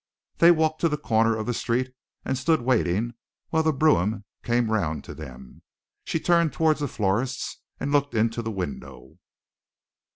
They walked to the corner of the street and stood waiting while the brougham came round to them. She turned toward a florist's and looked into the window.